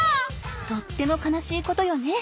とっても悲しいことよね。